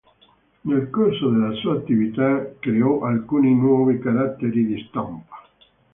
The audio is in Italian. Nel corso della sua attività creò alcuni nuovi caratteri di stampa.